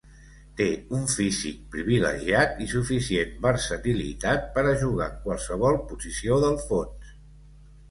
Té un físic privilegiat i suficient versatilitat per a jugar en qualsevol posició del fons.